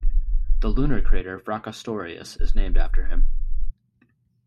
The lunar crater Fracastorius is named after him.